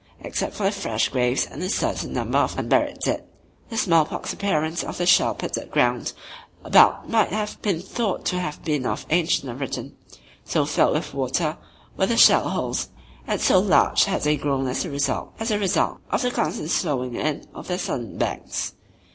Except for the fresh graves and a certain number of unburied dead the small pox appearance of the shell pitted ground about might have been thought to have been of ancient origin; so filled with water were the shell holes and so large had they grown as a result of the constant sloughing in of their sodden banks.